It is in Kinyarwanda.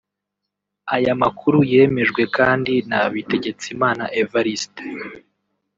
Aya makuru yemejwe kandi na Bitegetsimana Evariste